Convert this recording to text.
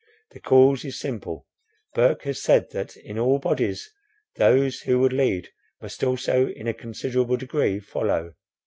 The cause is simple. Burke has said that, 'in all bodies those who would lead, must also, in a considerable degree, follow.